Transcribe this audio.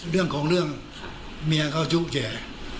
เรื่องของเรื่องเมียเขาชุดแจ